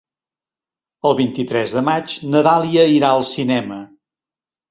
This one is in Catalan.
El vint-i-tres de maig na Dàlia irà al cinema.